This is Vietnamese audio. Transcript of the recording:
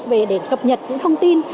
về để cập nhật những thông tin